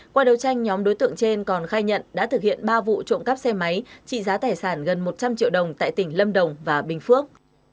qua đấu tranh nhóm đối tượng trên còn khai nhận đã thực hiện ba vụ trộm cắp xe máy trị giá tài sản gần một trăm linh triệu đồng tại tỉnh lâm đồng và bình phước